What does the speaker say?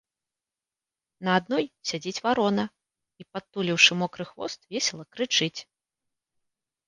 На адной сядзіць варона і, падтуліўшы мокры хвост, весела крычыць.